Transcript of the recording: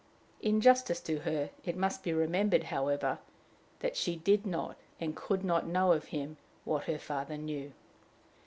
In justice to her, it must be remembered, however, that she did not and could not know of him what her father knew.